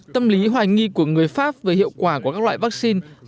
tâm lý hoài nghi của người pháp về hiệu quả của các loại vaccine